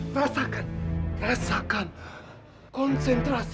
rasakan rasakan konsentrasi